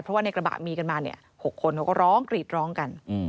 เพราะว่าในกระบะมีกันมาเนี่ย๖คนเขาก็ร้องกรีดร้องกัน